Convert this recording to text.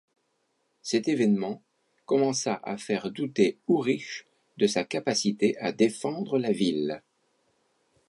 Cet évènement commença à faire douter Uhrich de sa capacité à défendre la ville.